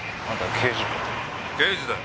刑事だよ。